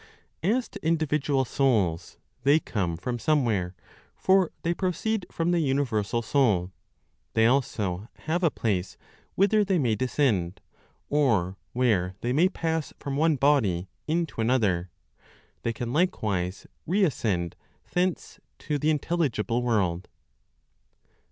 As to individual souls, they come from somewhere, for they proceed from the universal Soul; they also have a place whither they may descend, or where they may pass from one body into another; they can likewise reascend thence to the intelligible world.